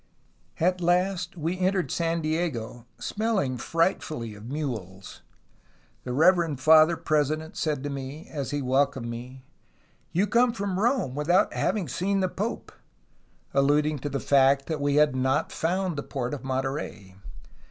"At last we entered San Diego, smelling frightfully of mules. The reverend father president said to me, as he welcomed me. SPANISH OCCUPATION OF ALTA CALIFORNIA 227 'You come from Rome without having seen the pope/ alluding to the fact that we had not found the port of Monterey.